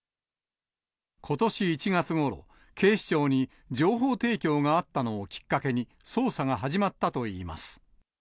ことし１月ごろ、警視庁に情報提供があったのをきっかけに、捜査が始まったといいます。